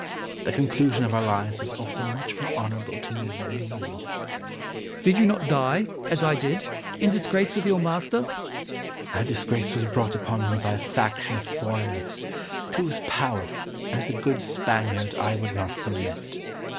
The conclusion of our lives was also much more honourable to me than you. Wolsey. Did not you die, as I did, in disgrace with your master? Ximenes. That disgrace was brought upon me by a faction of foreigners, to whose power, as a good Spaniard, I would not submit.